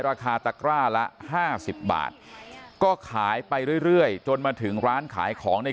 ราคาตะกร้าละ๕๐บาทก็ขายไปเรื่อยจนมาถึงร้านขายของใน